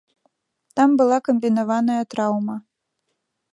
Там была камбінаваная траўма.